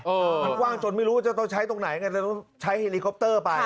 มันกว้างจนไม่รู้ว่าจะต้องใช้ตรงไหนไงจะต้องใช้เฮลิคอปเตอร์ไป